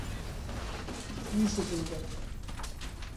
— Нисек инде?